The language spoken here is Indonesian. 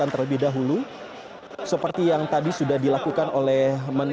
maria pauline lumo ini merupakan salah satu tersangka pelaku pembobolan kas bank belakang